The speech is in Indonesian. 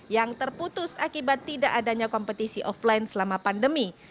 yang terputus akibat tidak adanya kompetisi offline selama pandemi